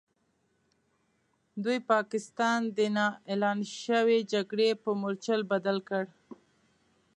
دوی پاکستان د نا اعلان شوې جګړې په مورچل بدل کړ.